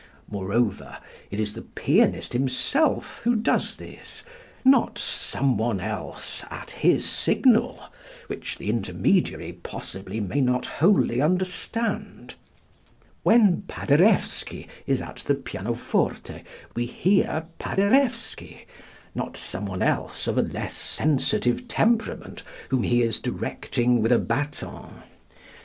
Moreover, it is the pianist himself who does this, not some one else at his signal, which the intermediary possibly may not wholly understand. When Paderewski is at the pianoforte we hear Paderewski not some one else of a less sensitive temperament whom he is directing with a baton.